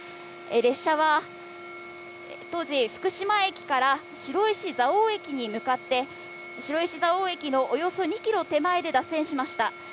列車は当時、福島駅から白石蔵王駅に向かって、白石蔵王駅のおよそ２キロ手前で脱線しました。